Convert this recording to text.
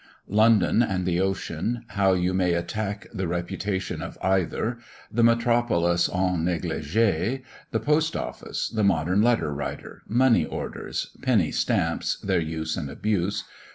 LONDON AND THE OCEAN. HOW YOU MAY ATTACK THE REPUTATION OF EITHER. THE METROPOLIS "EN NEGLIGEE." THE POST OFFICE. THE MODERN LETTER WRITER. MONEY ORDERS. PENNY STAMPS, THEIR USE AND ABUSE.